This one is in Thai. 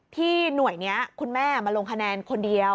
ที่หน่วยนี้คุณแม่มาลงคะแนนคนเดียว